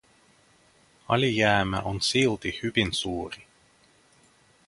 Alijäämä on silti hyvin suuri.